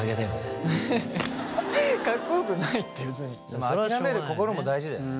まあ諦める心も大事だよね。